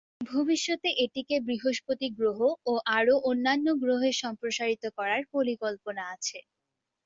ভবিষ্যতে এটিকে বৃহস্পতি গ্রহ ও আরও অন্যান্য গ্রহে সম্প্রসারিত করার পরিকল্পনা আছে।